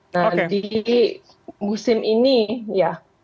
nah di musim ini ya